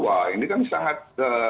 wah ini kan sangat